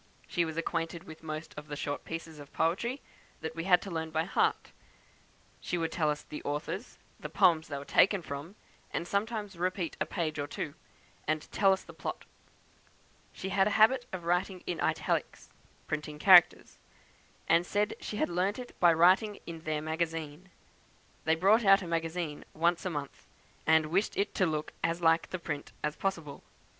She was acquainted with most of the short pieces of poetry that we had to learn by heart; would tell us the authors, the poems they were taken from, and sometimes repeat a page or two, and tell us the plot. She had a habit of writing in italics (printing characters), and said she had learnt it by writing in their magazine. They brought out a 'magazine' once a month, and wished it to look as like print as possible.